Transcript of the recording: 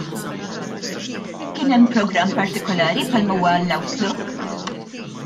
Kien hemm programm partikolari bħalma huwa l-Outlook?